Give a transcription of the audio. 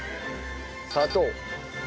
砂糖。